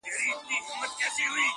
د بخشش او د ستایلو مستحق دی,